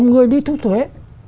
người đi thu thuế